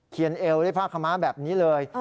เขียนเอวได้ภาคคม้าแบบนี้เลย